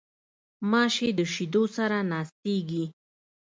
غوماشې د شیدو سره ناستېږي.